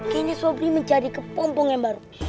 kayaknya sabri menjadi kepompong yang baru